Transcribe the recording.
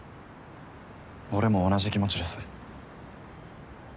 俺も同じ気持ちです。